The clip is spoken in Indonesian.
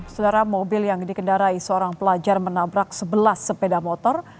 saudara mobil yang dikendarai seorang pelajar menabrak sebelas sepeda motor